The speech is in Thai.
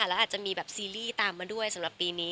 แล้วอาจจะมีแบบซีรีส์ตามมาด้วยสำหรับปีนี้